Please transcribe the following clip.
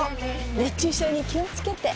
熱中症に気をつけて